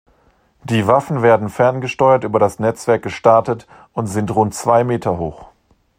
Die Waffen werden ferngesteuert über das Netzwerk gestartet und sind rund zwei Meter hoch.